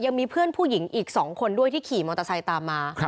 ยังมีเพื่อนผู้หญิงอีก๒คนด้วยที่ขี่มอเตอร์ไซค์ตามมา